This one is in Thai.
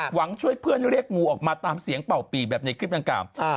หวังช่วยเพื่อนเรียกงูออกมาตามเสียงเป่าปีแบบในคลิปดังกล่าว